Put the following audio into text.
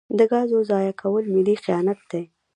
د ګازو ضایع کول ملي خیانت دی.